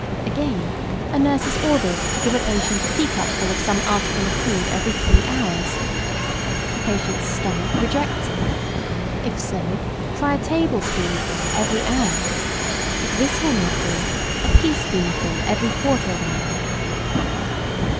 Again, a nurse is ordered to give a patient a tea cup full of some article of food every three hours. The patient's stomach rejects it. If so, try a table spoon full every hour; if this will not do, a tea spoon full every quarter of an hour.